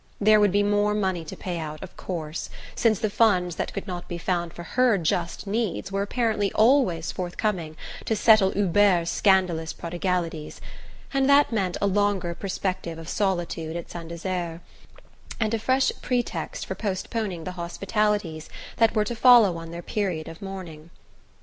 There would be more money to pay out, of course since the funds that could not be found for her just needs were apparently always forthcoming to settle Hubert's scandalous prodigalities and that meant a longer perspective of solitude at Saint Desert, and a fresh pretext for postponing the hospitalities that were to follow on their period of mourning.